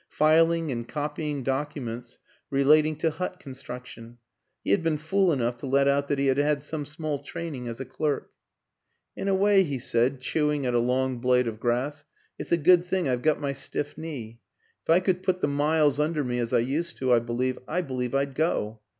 Filing and copying documents relating to hut construction; he had been fool enough to let out that he had had some small training as a clerk. " In a way," he said, chewing at a long blade of grass, " it's a good thing I've got my stiff knee. If I could put the miles under me as I used to, I believe I believe I'd go.